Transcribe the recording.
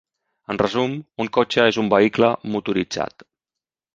En resum, un cotxe és un vehicle motoritzat.